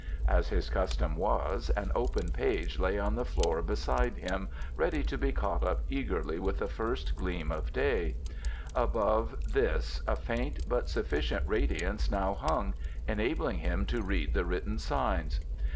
As his custom was, an open page lay on the floor beside him, ready to be caught up eagerly with the first gleam of day; above this a faint but sufficient radiance now hung, enabling him to read the written signs.